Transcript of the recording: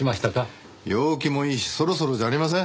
陽気もいいしそろそろじゃありません？